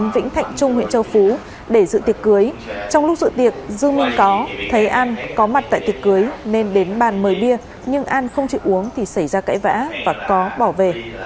vĩnh thạnh trung huyện châu phú để dự tiệc cưới trong lúc dự tiệc dư minh có thấy an có mặt tại tiệc cưới nên đến bàn mời bia nhưng an không chịu uống thì xảy ra cãi vã và có bỏ về